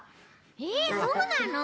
えっそうなの！？